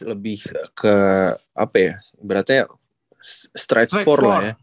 lebih ke apa ya beratnya stretch forward